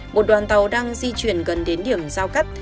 một đoàn tàu đang di chuyển gần đến điểm giao cắt